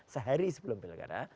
sehari sebelum pilgada